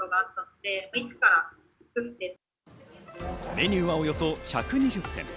メニューはおよそ１２０点。